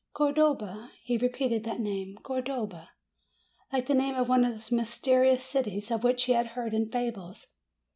"Cor dova!" He repeated that name, "Cordova!" like the name of one of those mysterious cities of which he had heard in fables.